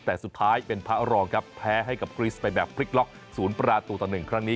แต่สุดท้ายเป็นพระรองครับแพ้ให้กับกริสไปแบบพลิกล็อก๐ประตูต่อ๑ครั้งนี้